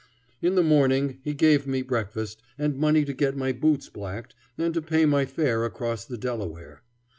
In the morning he gave me breakfast and money to get my boots blacked and to pay my fare across the Delaware.